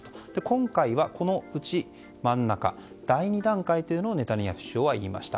今回はこのうち真ん中第２段階というのをネタニヤフ首相は言いました。